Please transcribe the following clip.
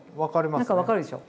何か分かるでしょう？